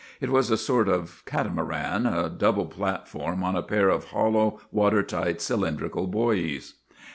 It was a sort of catamaran a double platform on a pair of hollow, water tight, cylindrical buoys.